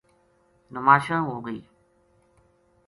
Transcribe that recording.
نماشاں ہوگئی